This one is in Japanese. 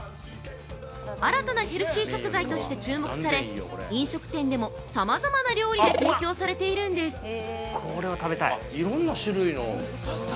新たなヘルシー食材として注目され、飲食店でもさまざまな料理で提供されているんです。